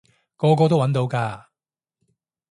個個都搵到㗎